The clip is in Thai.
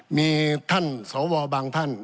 มีท่านสวบางท่าน